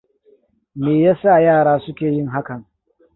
Me yasa yara suke yin hakan?